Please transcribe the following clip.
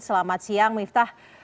selamat siang miftah